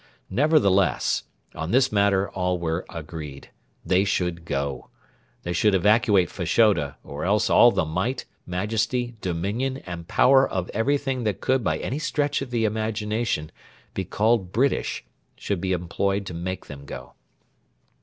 Nevertheless, on this matter all were agreed. They should go. They should evacuate Fashoda, or else all the might, majesty, dominion, and power of everything that could by any stretch of the imagination be called 'British' should be employed to make them go.